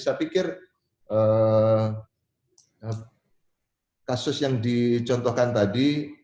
saya pikir kasus yang dicontohkan tadi